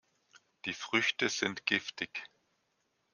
Die Früchte sind giftig.